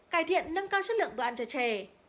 cải thiện nâng cao chất lượng bữa ăn cho trẻ